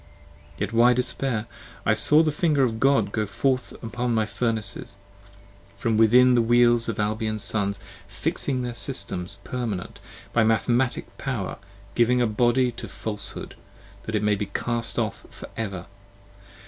10 Yet why despair? I saw the finger of God go forth Upon my Furnaces, from within the Wheels of Albion's Sons ; Fixing their Systems, permanent: by mathematic power Giving a body to Falshood that it may be cast off for ever.